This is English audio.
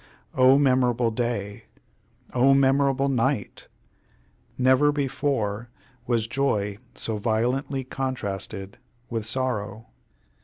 Oh, memorable day! Oh, memorable night! Never before was joy so violently contrasted with sorrow.